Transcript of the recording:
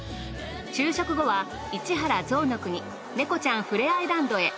昼食後は市原ぞうの国猫ちゃんふれあいランドへ。